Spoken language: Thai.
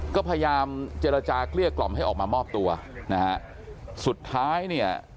ก็พยายามเจรจาเกลี้ยกล่อมให้ออกมามอบตัวนะฮะสุดท้ายเนี่ย